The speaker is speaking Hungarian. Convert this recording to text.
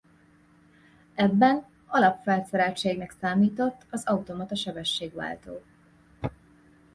Ebben alapfelszereltségnek számított az automata sebességváltó.